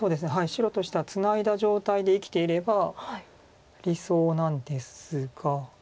白としてはツナいだ状態で生きていれば理想なんですが。